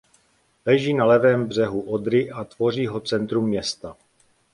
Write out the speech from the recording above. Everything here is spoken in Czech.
Leží na levém břehu Odry a tvoří ho centrum města.